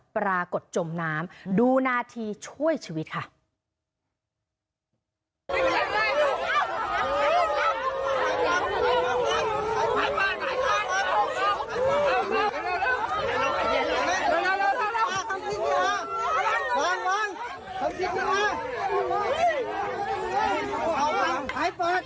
จมน้ำดูนาทีช่วยชีวิตค่ะ